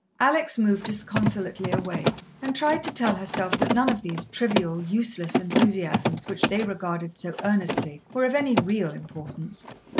Alex moved disconsolately away, and tried to tell herself that none of these trivial, useless enthusiasms which they regarded so earnestly were of any real importance.